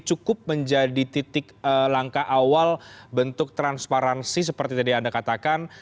cukup menjadi titik langkah awal bentuk transparansi seperti tadi anda katakan